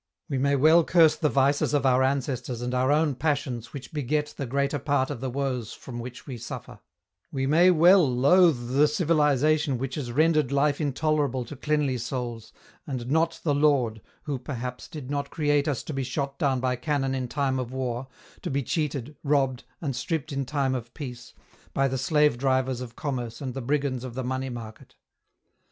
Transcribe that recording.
We may well curse the vices of our ancestors and our own passions which beget the greater part of the woes from which we suffer ; we may well loathe the civilization which has rendered life intolerable to cleanly souls, and not the Lord, who, perhaps, did not create us to be shot down by cannon in time of war, to be cheated, robbed, and stripped in time of peace, by the slave drivers of commerce and the brigands of the money market.